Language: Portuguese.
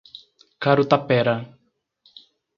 Carutapera